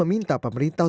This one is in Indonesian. mem county pewakil prok